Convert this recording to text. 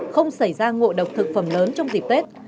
không xảy ra ngộ độc thực phẩm lớn trong dịp tết